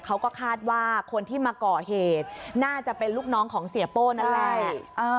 เขาก็คาดว่าคนที่มาก่อเหตุน่าจะเป็นลูกน้องของเสียโป้นั่นแหละ